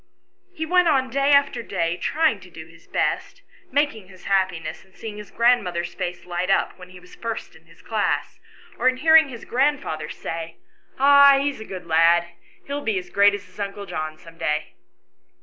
He went on day after day trying to do his best, making his happi ness in seeing his grandmother's face light up when he was first in his class, or in hearing his grandfather say, "Ah, he's a good lad; he'll be as great as his 124 ANYHOW STORIES. [STORY uncle John some day."